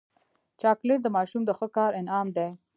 چاکلېټ د ماشوم د ښو کار انعام دی.